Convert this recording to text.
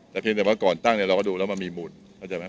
แต่เพียงแต่ว่าก่อนตั้งเนี่ยเราก็ดูแล้วมันมีหมุดเข้าใจไหม